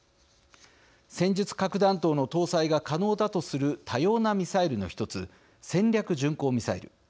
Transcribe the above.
戦術核弾頭の搭載が可能だとする多様なミサイルの一つ「戦略巡航ミサイル」。